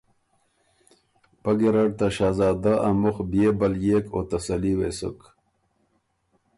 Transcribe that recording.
پۀ ګیرډ ته شهزاده ا مُخ بيې بليېک او تسلي وې سُک